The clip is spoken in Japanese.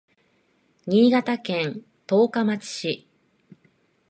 新潟県十日町市